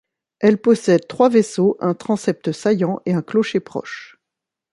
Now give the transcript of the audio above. Elle possède trois vaisseaux, un transept saillant et un clocher-proche.